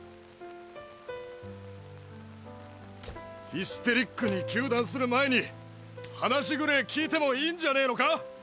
ヒステリックに糾弾する前に話ぐれぇ聞いてもいいんじゃねぇのか？